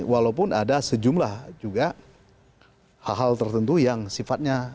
walaupun ada sejumlah juga hal hal tertentu yang sifatnya